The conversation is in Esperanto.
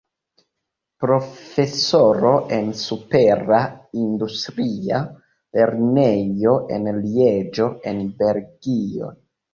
Profesoro en Supera Industria Lernejo en Lieĝo en Belgio.